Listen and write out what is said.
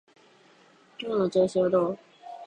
今日の調子はどう？